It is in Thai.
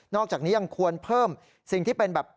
อกจากนี้ยังควรเพิ่มสิ่งที่เป็นแบบ